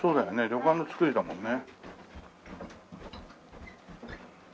旅館の造りだもんね。